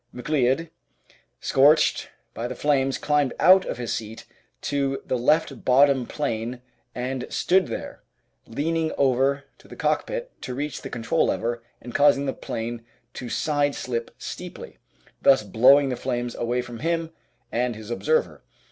McLeod, scorched by the flames, climbed out of his seat to the left bottom plane and stood there, leaning over to the cockpit to reach the control lever and causing the 'plane to side slip steeply, thus blowing the flames away from him and his observer.